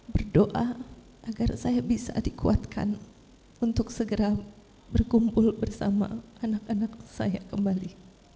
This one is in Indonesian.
berdoa agar saya bisa dikuatkan untuk segera berkumpul bersama anak anak saya kembali